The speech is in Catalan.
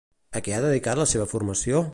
A què ha dedicat la seva formació?